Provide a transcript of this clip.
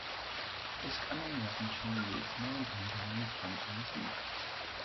ეს კანონი აღმოჩენილი იქნა ბენჯამინ ფრანკლინის მიერ.